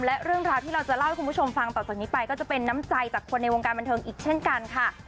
และเรื่องราวที่เราจะเล่าให้คุณผู้ชมฟังต่อจากนี้ไปก็จะเป็นน้ำใจจากคนในวงการบันเทิงอีกเช่นกันค่ะ